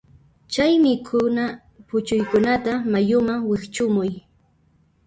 Chay mikhuna puchuykunata mayuman wiqch'umuy.